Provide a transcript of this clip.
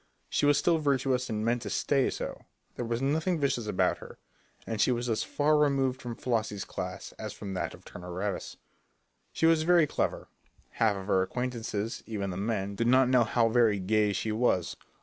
She was still virtuous and meant to stay so; there was nothing vicious about her, and she was as far removed from Flossie's class as from that of Turner Ravis. She was very clever; half of her acquaintances, even the men, did not know how very "gay" she was.